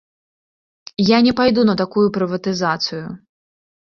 Я не пайду на такую прыватызацыю.